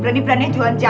bisa berubah juga